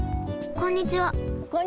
こんにちは！